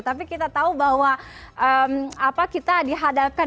tapi kita tahu bahwa kita dihadapkan